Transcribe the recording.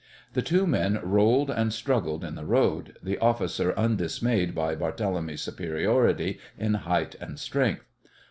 The two men rolled and struggled in the road, the officer undismayed by Barthélemy's superiority in height and strength.